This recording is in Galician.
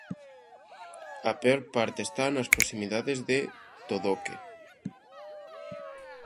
A peor parte está nas proximidades de Todoque.